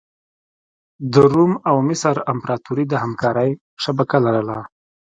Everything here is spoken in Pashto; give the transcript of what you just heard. د روم او مصر امپراتوري د همکارۍ شبکه لرله.